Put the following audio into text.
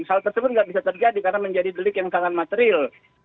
hal tersebut nggak bisa terjadi karena menjadi delik yang sangat material